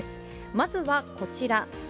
まずはこちら。